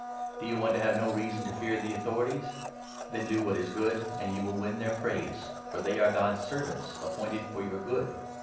Do you want to have no reason to fear the Authorities ? Then do what is good, and you will win their praise. For they are 4 God's servants appointed for your good.